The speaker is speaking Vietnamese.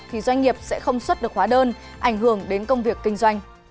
thì doanh nghiệp sẽ không xuất được hóa đơn ảnh hưởng đến công việc kinh doanh